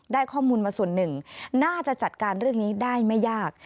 ได้ข้อมูลมาส่วนหนึ่งน่าจะจัดการเรื่องนี้ได้ไม่ยาก